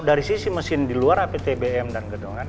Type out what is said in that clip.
dari sisi mesin di luar aptbm dan kedongan